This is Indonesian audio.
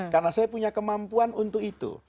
karena saya punya kemampuan untuk itu